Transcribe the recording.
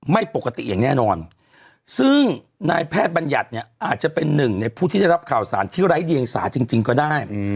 ไม่ปกติอย่างแน่นอนซึ่งนายแพทย์บัญญัติเนี่ยอาจจะเป็นหนึ่งในผู้ที่ได้รับข่าวสารที่ไร้เดียงสาจริงก็ได้